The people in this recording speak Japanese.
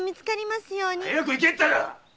早く行けったら！